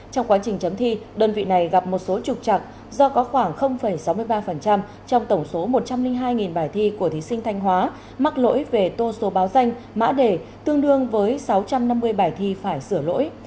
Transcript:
trong quá trình chấm thi đơn vị này gặp một số trục trặc do có khoảng sáu mươi ba trong tổng số một trăm linh hai bài thi của thí sinh thanh hóa mắc lỗi về tô số báo danh mã đề tương đương với sáu trăm năm mươi bài thi phải sửa lỗi